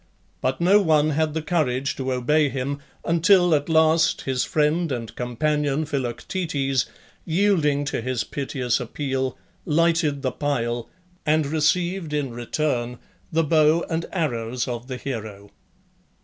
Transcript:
But no one had the courage to obey him, until at last his friend and companion Philoctetes, yielding to his piteous appeal, lighted the pile, and received in return the bow and arrows of the hero.